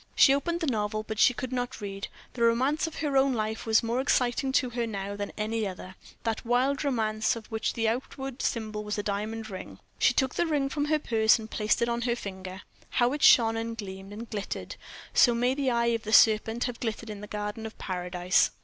She opened the novel, but she could not read; the romance of her own life was more exciting to her now than any other that wild romance of which the outward symbol was a diamond ring. She took the ring from her purse and placed it on her finger. How it shone, and gleamed, and glittered! So may the eye of the serpent have glittered in the garden of Paradise.